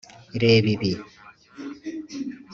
reba ibi